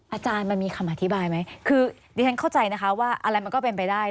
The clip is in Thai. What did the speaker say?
อาจารย์มันมีคำอธิบายไหมคือดิฉันเข้าใจนะคะว่าอะไรมันก็เป็นไปได้